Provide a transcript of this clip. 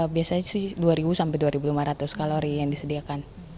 biasanya dua ribu sampai dua ribu lima ratus kalori yang disediakan